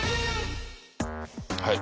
はい。